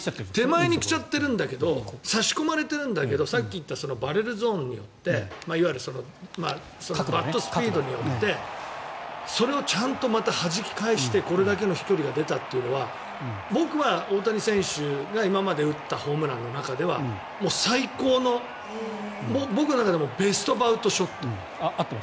手前に来ちゃってるんだけど差し込まれてるんだけどさっき言ったバレルゾーンによっていわゆるバットスピードによってそれをちゃんとまたはじき返してこれだけの飛距離が出たというのは僕は大谷選手が今まで打ったホームランの中では最高の、僕の中でもベストバウトショット。